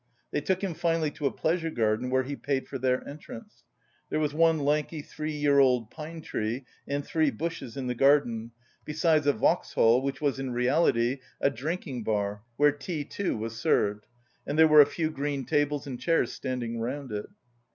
They took him finally to a pleasure garden, where he paid for their entrance. There was one lanky three year old pine tree and three bushes in the garden, besides a "Vauxhall," which was in reality a drinking bar where tea too was served, and there were a few green tables and chairs standing round it.